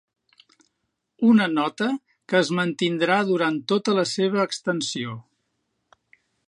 Una nota que es mantindrà durant tota la seva extensió